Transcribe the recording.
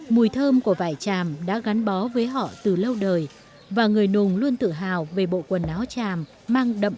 mùi thơm của vải tràm đã gắn bó với họ từ lâu đời và người nùng luôn tự hào về bộ quần áo tràm mang đậm bản sắc của dân tộc mình